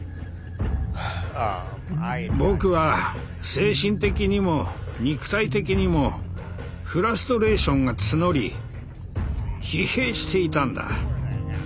僕は精神的にも肉体的にもフラストレーションが募り疲弊していたんだ。